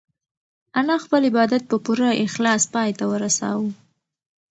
انا خپل عبادت په پوره اخلاص پای ته ورساوه.